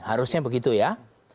harusnya begitu ya